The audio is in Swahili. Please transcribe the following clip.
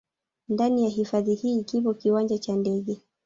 Ndani ya hifadhi hii kipo kiwanja cha ndege